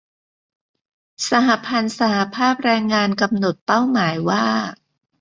สหพันธ์สหภาพแรงงาน กำหนดเป้าหมายว่า